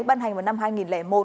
ban hành vào năm hai nghìn một